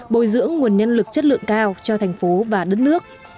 bồi dưỡng nguồn nhân lực chất lượng cao cho thành phố và đất nước